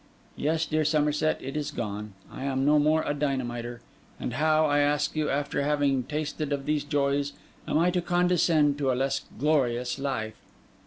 Yes, dear Somerset, it is gone; I am no more a dynamiter; and how, I ask you, after having tasted of these joys, am I to condescend to a less glorious life?